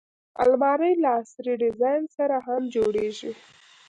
الماري له عصري ډیزاین سره هم جوړیږي